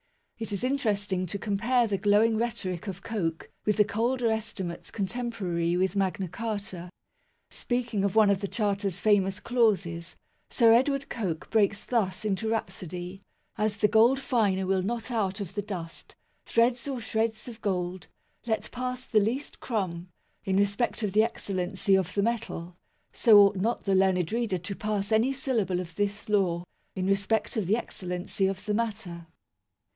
It is interesting to compare the glowing rhetoric of Coke with the colder estimates contemporary with Magna Carta. Speaking of one of the Charter's famous clauses, Sir Edward Coke breaks thus into rhapsody : "As the gold finer will not out of the dust, threads or shreds of gold, let pass the least crumb, in respect of the excellency of the metal ; so ought not the learned reader to pass any syllable of this law, in respect of the excellency of the matter